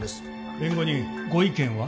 弁護人ご意見は？